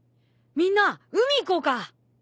みんな海行こうか。